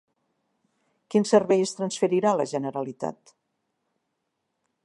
Quin servei es transferirà a la Generalitat?